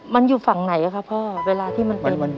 มันอยู่ฝั่งไหนครับพ่อเวลาที่มันเป็น